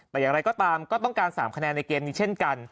แต่อย่างไรก็ตามก็ต้องการ๓คะแนนในเกมนี้เช่นกัน